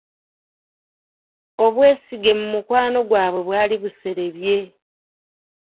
Obwesige mu mukwano gwabwe bwali buserebye.